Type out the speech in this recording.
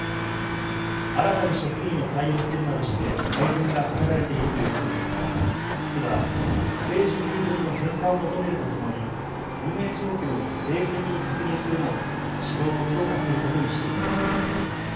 新たに職員を採用するなどして改善が図られているということですが区は不正受給分の返還を求めるとともに運営状況を定期的に確認するなど指導を強化することにしています。